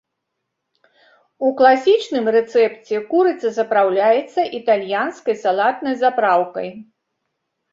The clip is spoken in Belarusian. У класічным рэцэпце курыца запраўляецца італьянскай салатнай запраўкай.